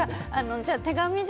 じゃあ、手紙で。